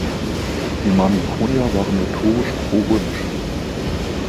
Die Mamikonier waren notorisch pro-römisch.